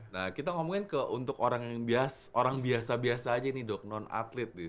nah kita ngomongin ke untuk orang biasa biasa aja nih dok non atlet nih